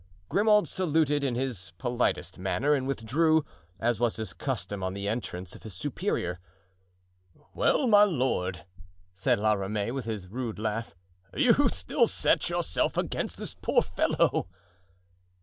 Grimaud saluted in his politest manner and withdrew, as was his custom on the entrance of his superior. "Well, my lord," said La Ramee, with his rude laugh, "you still set yourself against this poor fellow?"